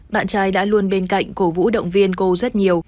bạn trai đã luôn bên cạnh cổ vũ động viên cô rất nhiều